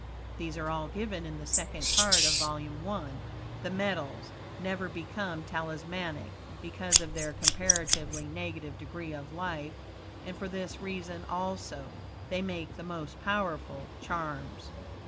These are all given in the second part of Vol. I. THE METALS never become Talismanic, because of their comparatively negative degree of life, and for this reason also, they make the most powerful charms.